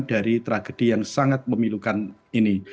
dari tragedi yang sangat memilukan ini